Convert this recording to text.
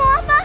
tante mau apa